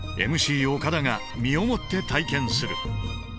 ＭＣ岡田が身をもって体験する。